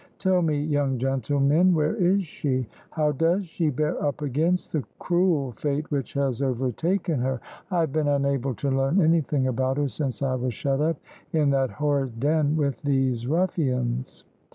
Tell me, young gentlemen, where is she? How does she bear up against the cruel fate which has overtaken her? I have been unable to learn anything about her since I was shut up in that horrid den with these ruffians."